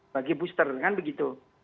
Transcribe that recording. bagi booster kan begitu